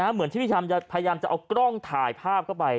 เหมือนที่พี่ชำพยายามจะเอากล้องถ่ายภาพเข้าไป